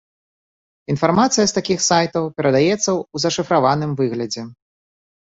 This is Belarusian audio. Інфармацыя з такіх сайтаў перадаецца ў зашыфраваным выглядзе.